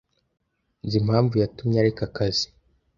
Nzi impamvu yatumye areka akazi.